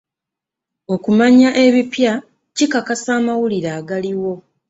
Okumanya ebipya kikakasa amawulire agaliwo.